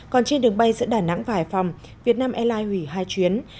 còn trên đường bay giữa đà nẵng và hải phòng việt nam airlines hủy hai chuyến